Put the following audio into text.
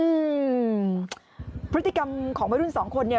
อืมพฤติกรรมของวัยรุ่นสองคนเนี่ย